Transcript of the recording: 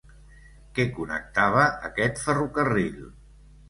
Què connectava aquest ferrocarril?